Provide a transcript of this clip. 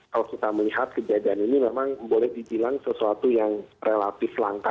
kalau kita melihat kejadian ini memang boleh dibilang sesuatu yang relatif langka